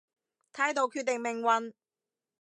態度決定命運